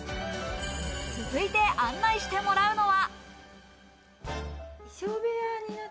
続いて案内してもらったのは。